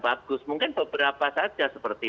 bagus mungkin beberapa saja seperti